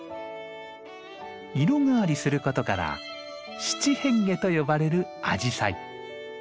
色変わりすることから「七変化」と呼ばれるアジサイ。